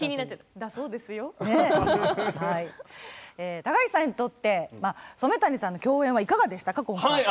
高岸さんにとって染谷さんとの共演はいかがでしたか。